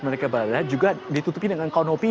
mereka berada juga ditutupi dengan kanopi